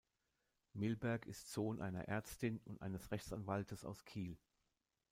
Milberg ist Sohn einer Ärztin und eines Rechtsanwaltes aus Kiel.